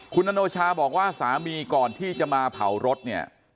คุณอโนชาบอกว่าสามีก่อนที่จะมาเผารถเนี่ย